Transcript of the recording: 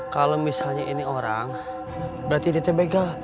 kalau misalnya ini orang berarti dia tidak baik ya